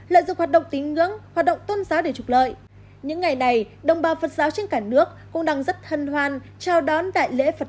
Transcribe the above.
lợi dụng hoạt động tín ngưỡng hoạt động tôn giáo để trục lợi